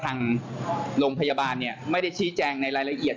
ทางโรงพยาบาลไม่ได้ชี้แจงในรายละเอียด